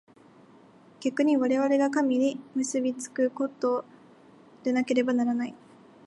逆に我々が神に結び附くことでなければならない。